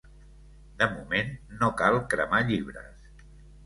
De moment no cal cremar llibres.